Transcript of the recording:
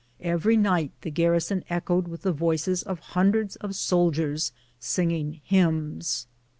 Every night the garrison echoed with the voices of hundreds of soldiers singing hymns.